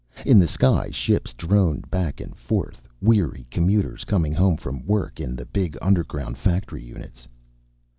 In the sky ships droned back and forth, weary commuters coming home from work in the big underground factory units.